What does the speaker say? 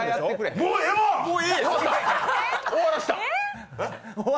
もう、ええわ！